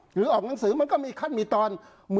หรือออกหนังสือมันก็มีขั้นมีตอน